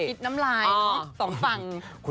ดูดน้ำลายสองฝั่ง